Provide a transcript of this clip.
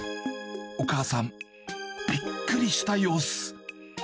お母さん、びっくりした様子。